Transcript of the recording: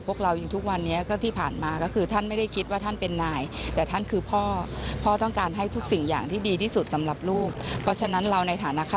ภูมิใจในแง่ของการได้ทำงาน